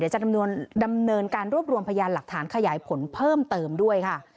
จะดำเนินการรวบรวมพยานหลักฐานขยายผลเพิ่มเติมด้วยค่ะ